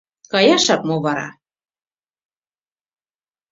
Каяшак мо вара?